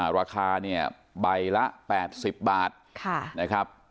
ราคาในใบละ๘๐บาท